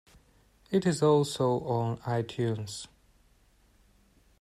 It is also on iTunes.